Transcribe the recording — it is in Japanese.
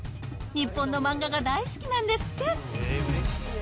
日本の漫画が大好きなんですって。